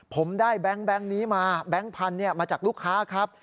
ผมได้แบงค์นี้มาแบงค์พันธุ์มาจากลูกค้าครับ